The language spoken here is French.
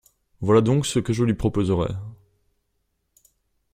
Voilà donc ce que je lui proposerais.